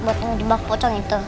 buat ngejebak pocong itu